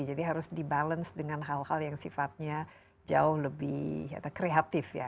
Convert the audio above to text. jadi harus dibalans dengan hal hal yang sifatnya jauh lebih kreatif